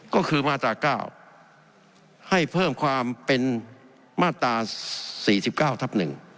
ก็คือมาตรา๙ให้เพิ่มความเป็นมาตรา๔๙ทับ๑